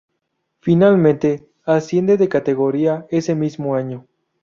Finalmente, asciende de categoría ese mismo año.